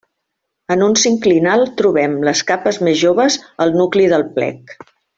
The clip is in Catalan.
En un sinclinal trobem les capes més joves al nucli del plec.